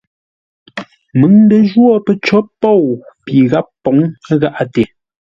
Məŋ ndə jwó pəcǒ pôu pi gháp pǒŋ gháʼate.